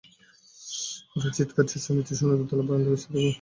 হঠাৎ চিৎকার-চেঁচামেচি শুনে দোতলার বারান্দায় এসে দেখেন, তাঁদের ভবন ভাঙা হচ্ছে।